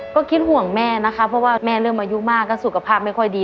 ก็คิดห่วงแม่นะคะเพราะว่าแม่เริ่มอายุมากก็สุขภาพไม่ค่อยดี